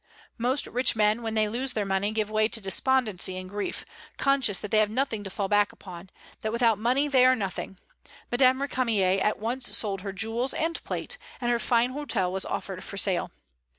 Most rich men, when they lose their money, give way to despondency and grief, conscious that they have nothing to fall back upon; that without money they are nothing. Madame Récamier at once sold her jewels and plate, and her fine hotel was offered for sale.